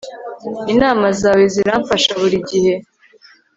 Inama zawe ziramfasha buri gihe